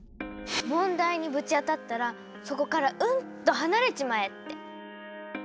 「問題にぶち当たったらそこからうんと離れちまえ」って。